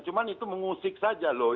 cuma itu mengusik saja loh